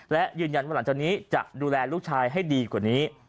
และยืนยันว่าหลังจากนี้จะดูแลลูกชายให้ดีกว่านี้